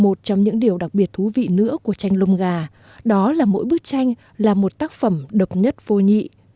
một trong những điều đặc biệt thú vị nữa của tranh lông gà đó là mỗi bức tranh là một tác phẩm độc nhất vô nhị